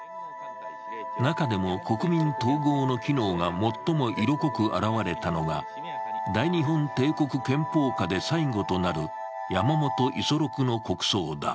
中でも国民統合の機能が最も色濃く表れたのが大日本帝国憲法下で最後となる山本五十六の国葬だ。